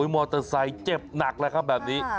มอเตอร์ไซค์เจ็บหนักแล้วครับแบบนี้